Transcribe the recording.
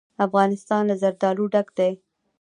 افغانستان له زردالو ډک دی.